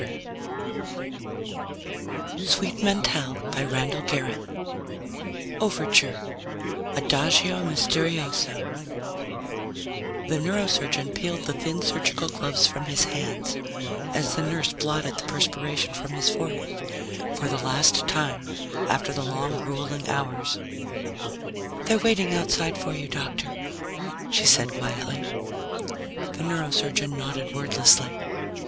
_ SUITE MENTALE by Randall Garrett Illustrated by EMSH OVERTURE ADAGIO MISTERIOSO The neurosurgeon peeled the thin surgical gloves from his hands as the nurse blotted the perspiration from his forehead for the last time after the long, grueling hours. "They're waiting outside for you, Doctor," she said quietly. The neurosurgeon nodded wordlessly.